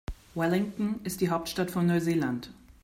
Wellington ist die Hauptstadt von Neuseeland.